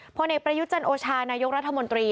เวลาประยุทธนโอชานายกราธมนตรี